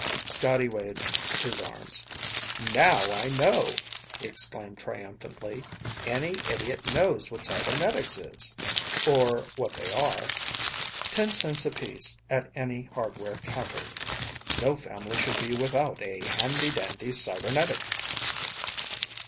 Scotty waved his arms. "Now I know!" he exclaimed triumphantly. "Any idiot knows what cybernetics is. Or what they are. Ten cents apiece at any hardware counter. No family should be without a handy dandy cybernetic!"